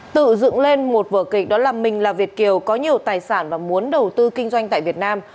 tự dựng lên một vở kịch đó là mình là việt kiều có nhiều tài sản và muốn đầu tư kinh doanh tại việt nam